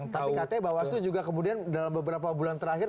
tapi katanya bawaslu juga kemudian dalam beberapa bulan terakhir